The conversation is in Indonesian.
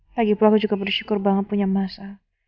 lagipula aku juga bersyukur banget punya mas al